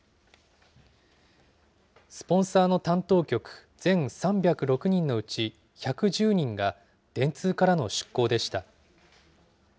スポンサーの担当局、全３０６人のうち１１０人が、電通からの出向でした。